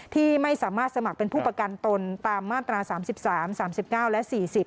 ที่ไม่สามารถสมัครเป็นผู้ประกันตนตามมาตรา๓๓๙และ๔๐